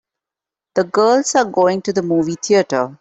The girls are going to the movie theater.